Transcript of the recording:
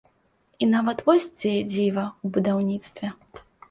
І нават, вось дзе дзіва, у будаўніцтве.